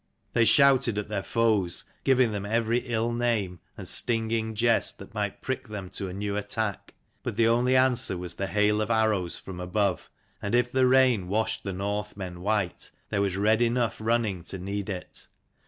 They shouted at their foes, giving them every ill name and stinging jest that might prick them to a new attack. But the only answer was the hail of arrows from above : and if the rain washed the Northmen white, there was red enough running to need it.